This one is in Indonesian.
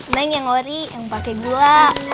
neng yang ori yang pake gua